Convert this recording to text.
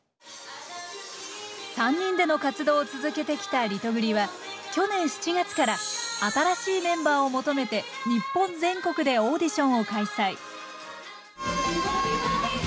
３人での活動を続けてきたリトグリは去年７月から新しいメンバーを求めて日本全国でオーディションを開催